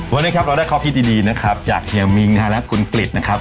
วันนี้ครับเราได้คอพี่ดีนะครับจากเฮียมิ้งค์นะครับและคุณกลิดนะครับ